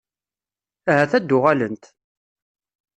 Ahat ad d-uɣalent?